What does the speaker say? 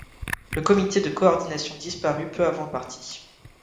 Le comité de coordination disparut peu avant le parti.